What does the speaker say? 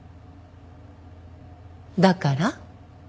だから？